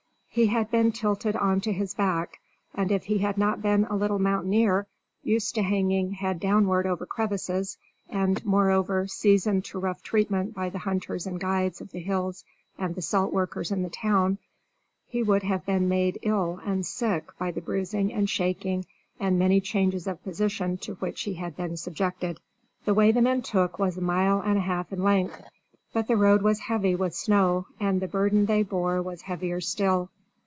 He had been tilted on to his back, and if he had not been a little mountaineer, used to hanging head downward over crevasses, and, moreover, seasoned to rough treatment by the hunters and guides of the hills and the salt workers in the town, he would have been made ill and sick by the bruising and shaking and many changes of position to which he had been subjected. The way the men took was a mile and a half in length, but the road was heavy with snow, and the burden they bore was heavier still.